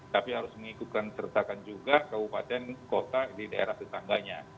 tapi harus mengikutkan sertakan juga kabupaten kota di daerah tetangganya